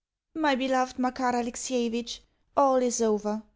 MY BELOVED MAKAR ALEXIEVITCH, All is over!